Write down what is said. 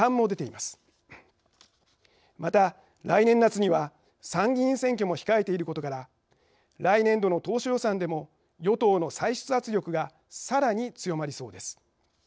また来年夏には参議院選挙も控えていることから来年度の当初予算でも与党の歳出圧力がさらに強まりそうです。